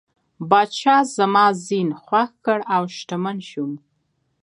پاچا زما زین خوښ کړ او شتمن شوم.